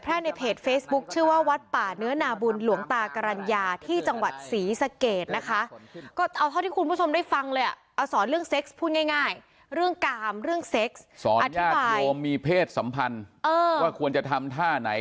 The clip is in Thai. เรื่องเซ็กซ์อธิบายสอนญาติโครมมีเพศสัมพันธ์เออว่าควรจะทำท่าไหน